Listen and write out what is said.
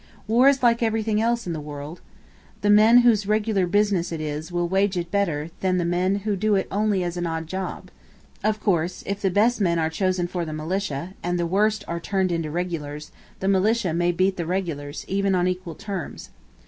War is like everything else in the world. The men whose regular business it is will wage it better than the men who only do it as an odd job. Of course, if the best men are chosen for the militia, and the worst are turned into regulars, the militia may beat the regulars, even on equal terms.